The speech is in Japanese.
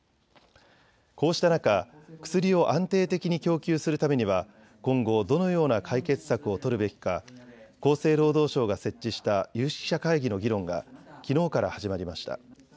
こうした中、薬を安定的に供給するためには今後どのような解決策を取るべきか厚生労働省が設置した有識者会議の議論がきのうから始まりました。